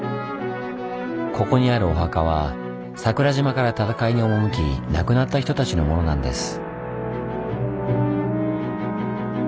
ここにあるお墓は桜島から戦いに赴き亡くなった人たちのものなんです。